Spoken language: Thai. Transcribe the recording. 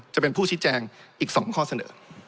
จะเป็นผู้ชี้แจงอีก๒ข้อเสนอ